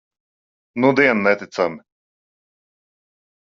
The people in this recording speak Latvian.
Nudien neticami.